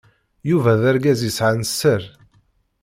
Yuba d argaz yesɛan sser.